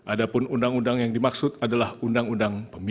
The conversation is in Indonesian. ada pun undang undang yang dimaksud adalah undang undang pemilu